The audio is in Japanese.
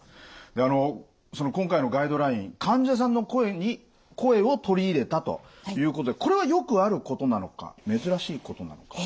であのその今回のガイドライン患者さんの声を取り入れたということでこれはよくあることなのか珍しいことなのか。